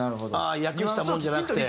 訳したものじゃなくて。